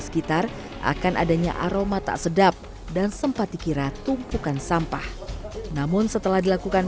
sekitar akan adanya aroma tak sedap dan sempat dikira tumpukan sampah namun setelah dilakukan